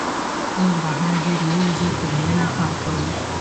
موږ بهر ډېر نه وځو، خو دننه کار کوو.